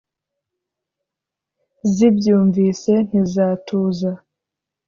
zibyumvise ntizatuza